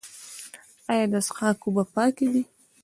آیا د څښاک اوبه پاکې دي؟